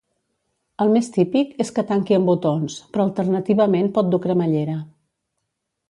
El més típic és que tanqui amb botons, però alternativament pot dur cremallera.